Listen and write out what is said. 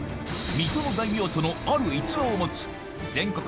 水戸の大名とのある逸話を持つ全国